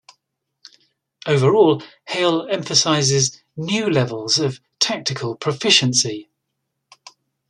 Overall, Hale emphasizes new levels of tactical proficiency.